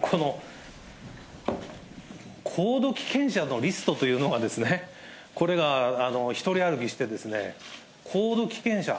この高度危険者のリストというのが、これが独り歩きして、高度危険者。